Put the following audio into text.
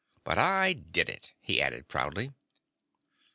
But I did it," he added proudly.